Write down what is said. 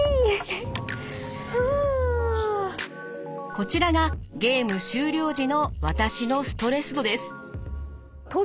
こちらがゲーム終了時の私のストレス度です。